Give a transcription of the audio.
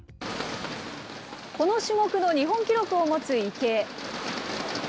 この種目の日本記録を持つ池江。